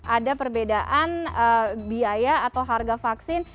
ada perbedaan biaya atau harga vaksin